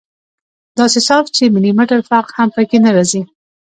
داسې صاف چې ملي مټر فرق هم پکښې نه رځي.